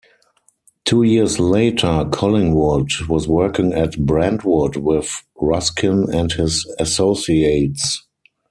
Two years later Collingwood was working at Brantwood with Ruskin and his associates.